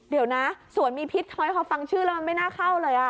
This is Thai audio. เดี๋ยวนะสวนมีพิษท้อยพอฟังชื่อแล้วมันไม่น่าเข้าเลย